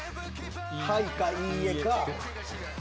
「はい」か「いいえ」か。